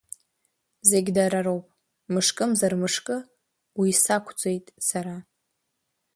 Зегь дара роуп, мышкымзар-мышкы уи сақәӡуеит сара.